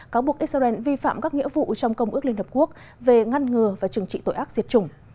cáo buộc israel vi phạm các nghĩa vụ trong công ước liên hợp quốc về ngăn ngừa và chừng trị tội ác diệt chủng